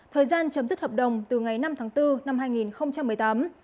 thời gian chấm dứt hợp đồng từ ngày năm tháng bốn năm hai nghìn một mươi tám